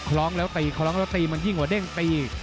ร้องแล้วตีคล้องแล้วตีมันยิ่งกว่าเด้งตี